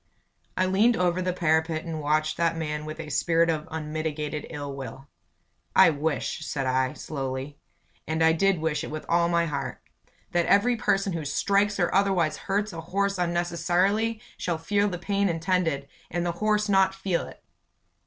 I leaned over the parapet and watched that man with a spirit of unmitigated ill will. "I wish," said I, slowly and I did wish it with all my heart "that every person who strikes or otherwise hurts a horse unnecessarily, shall feel the pain intended and the horse not feel it!"